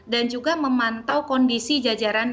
dan juga memantau kondisi jajaran